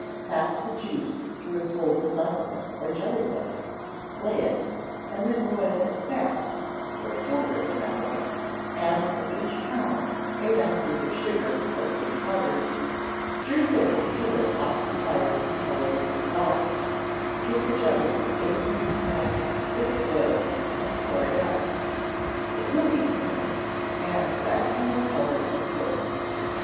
Pass the juice through a folded muslin, or a jelly bag; weigh it, and then boil it fast for a quarter of an hour; add for each pound, eight ounces of sugar coarsely powdered, stir this to it off the fire until it is dissolved, give the jelly eight minutes more of quick boiling, and pour it out. It will be firm, and of excellent colour and flavour.